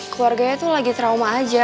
keluarganya tuh lagi trauma aja